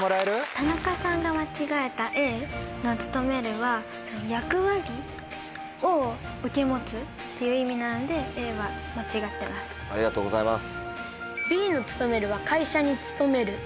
田中さんが間違えたＡの「務める」は役割を受け持つっていう意味なんでＡは間違っています。